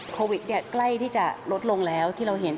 โควิดใกล้ที่จะลดลงแล้วที่เราเห็น